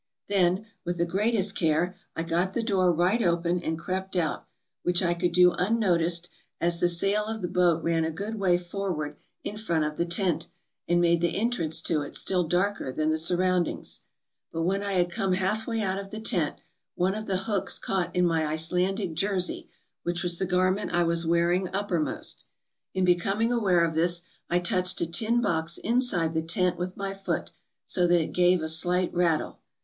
Then, with the greatest care, I got the door right open, and crept out, which I could do unnoticed, as the sail of the boat ran a good MISCELLANEOUS 485 way forward in front of the tent, and made the entrance to it still darker than the surroundings. But when I had come half way out of the tent, one of the hooks caught in my Icelandic jersey, which was the garment I was wearing uppermost. In becoming aware of this, I touched a tin box inside the tent with my foot, so that it gave a slight rattle.